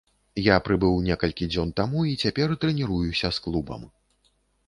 Я прыбыў некалькі дзён таму і цяпер трэніруюся з клубам.